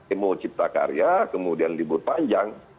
emo cipta karya kemudian libur panjang